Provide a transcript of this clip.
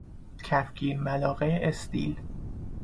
کفگیر ملاقه استیل